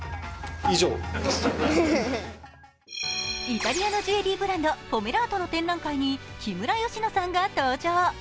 イタリアのジュエリーブランド、ポメラートの展覧会に木村佳乃さんが登場。